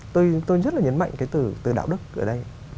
tôi rất là nhấn mạnh cái từ từ đạo đức ở đây